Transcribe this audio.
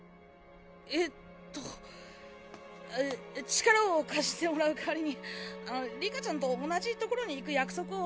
えっと力を貸してもらう代わりにあの里香ちゃんと同じ所に逝く約束をですね。